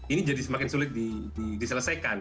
ini jadi semakin sulit diselesaikan